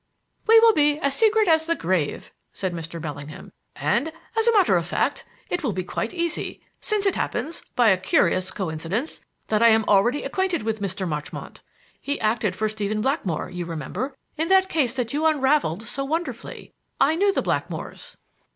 "We will be as secret as the grave," said Mr. Bellingham; "and, as a matter of fact, it will be quite easy, since it happens, by a curious coincidence, that I am already acquainted with Mr. Marchmont. He acted for Stephen Blackmore, you remember, in that case that you unraveled so wonderfully. I knew the Blackmores."